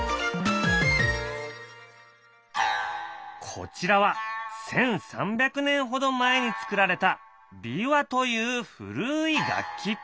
こちらは１，３００年ほど前に作られた琵琶という古い楽器。